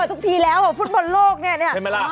ทุกทีแล้วฟุตบอลโลกเนี่ยใช่ไหมล่ะ